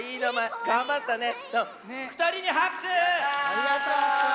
ありがとう！